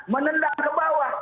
menendang ke bawah